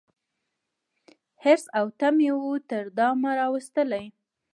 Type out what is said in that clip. حرص او تمي وو تر دامه راوستلی